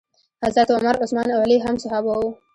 حضرت عمر، عثمان او علی هم صحابه وو.